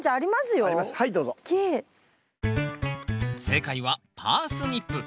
正解はパースニップ。